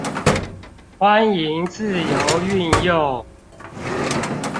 歡迎自由運用